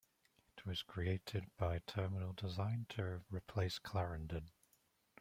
It was created by Terminal Design to replace Clarendon.